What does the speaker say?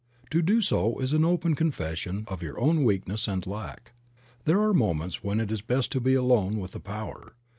To do so is an open confession of your own weakness and lack. There are moments when it is best to be alone with the Power.